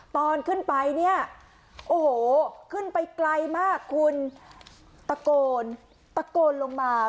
ตอนขึ้นไปเนี่ยโอ้โหขึ้นไปไกลมากคุณตะโกนตะโกนลงมา